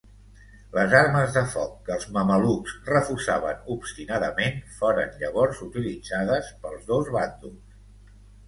Les armes de foc que els mamelucs refusaven obstinadament, foren llavors utilitzades pels dos bàndols.